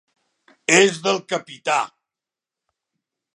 És del capità.